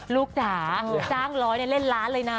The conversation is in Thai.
จ๋าจ้างร้อยเล่นล้านเลยนะ